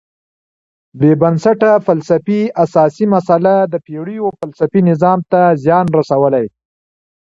بېبنسټه فلسفي اساسي مسئله د پېړیو فلسفي نظام ته زیان رسولی.